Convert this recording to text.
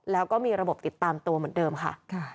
แล้วก็มีระบบติดตามตัวเหมือนเดิมค่ะ